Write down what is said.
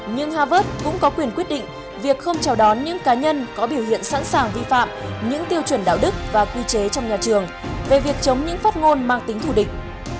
nhưng harvard cũng có quyền quyết định việc không chào đón những cá nhân có biểu hiện sẵn sàng vi phạm những tiêu chuẩn đạo đức và quy chế trong nhà trường về việc chống những phát ngôn mang tính thủ địch